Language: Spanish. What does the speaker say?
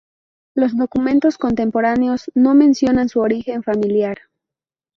Los documentos contemporáneos no mencionan su origen familiar.